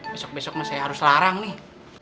besok besok saya harus larang nih